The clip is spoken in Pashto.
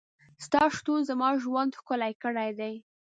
ستا شتون زما ژوند ښکلی کړی دی.